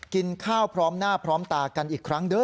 กินข้าวพร้อมหน้าพร้อมตากันอีกครั้งเด้อ